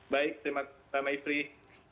baik terima kasih